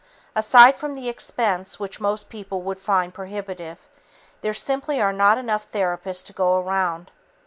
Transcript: Aside from the expense, which most people would find prohibitive, there simply are not enough therapists to go around.